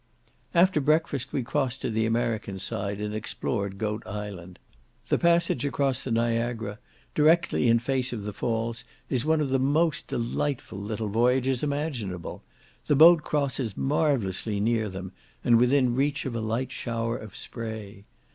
After breakfast we crossed to the American side, and explored Goat Island. The passage across the Niagara, directly in face of the falls, is one of the most delightful little voyages imaginable; the boat crosses marvellously near them, and within reach of a light shower of spray.